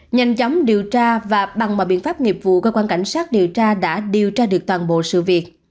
nhanh chóng điều tra và bằng mọi biện pháp nghiệp vụ cơ quan cảnh sát điều tra đã điều tra được toàn bộ sự việc